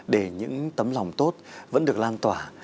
để những tấm lòng tốt vẫn được lan tỏa